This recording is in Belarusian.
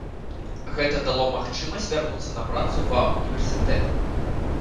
Гэта дало магчымасць вярнуцца на працу ва ўніверсітэт.